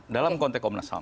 dalam konteks komnas ham